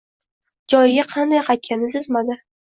Joyiga qanday qaytganini sezmadi.